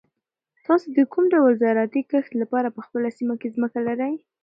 تاسو د کوم ډول زراعتي کښت لپاره په خپله سیمه کې ځمکه لرئ؟